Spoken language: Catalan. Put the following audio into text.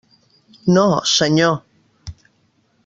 No, senyor.